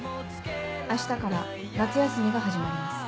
明日から夏休みが始まります。